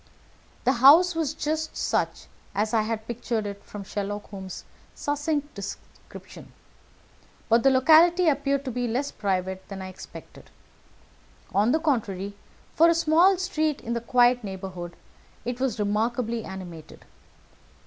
The house was just such as I had pictured it from Sherlock Holmes's succinct description, but the locality appeared to be less private than I expected. On the contrary, for a small street in a quiet neighbourhood, it was remarkably animated.